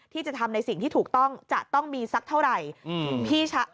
ที่จะทำในสิ่งที่ถูกต้องจะต้องมีสักเท่าไหร่